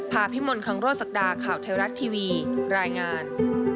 ภาพิมนต์คังโรสสักดาข่าวเทวรัฐทีวีรายงาน